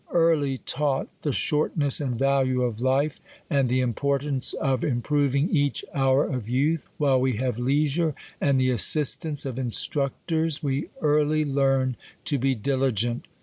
Early taught the shortness and value of life, and the importance of improving each hour of youth, while we have leisure, and the assistance of in structors, we early learn to be diligent.